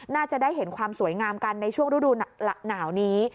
น่าจะได้เห็นความสวยงามกันในช่วงฤดูหนาวนี้